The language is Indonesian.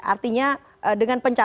artinya dengan perbedaan